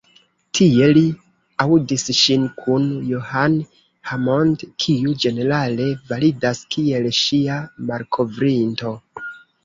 Tie li aŭdis ŝin kun John Hammond, kiu ĝenerale validas kiel ŝia „malkovrinto“.